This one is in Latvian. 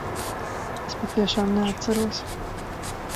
Es patiešām neatceros.